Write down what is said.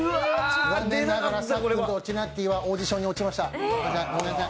残念ながらさっくんとチナッティーはオーディションに落ちました。